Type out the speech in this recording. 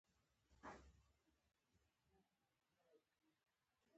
پر کتاب لیکل شوي وو: د بنجاري سندرې.